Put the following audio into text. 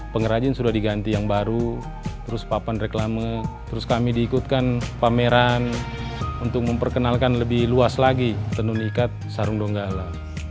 pengrajin sudah diganti yang baru terus papan reklame terus kami diikutkan pameran untuk memperkenalkan lebih luas lagi tenun ikat sarung donggala